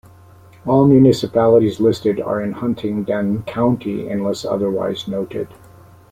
All municipalities listed are in Huntingdon County unless otherwise noted.